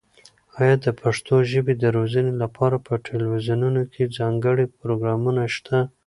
ایا د پښتو ژبې د روزنې لپاره په تلویزیونونو کې ځانګړي پروګرامونه شته؟